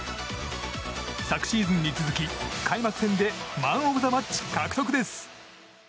昨シーズンに続き開幕戦でマン・オブ・ザ・マッチ獲得です。